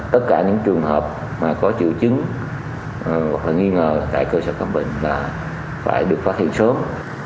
tất cả những trường hợp mà có triệu chứng hoặc là nghi ngờ tại cơ sở khám bệnh là phải được phát hiện sớm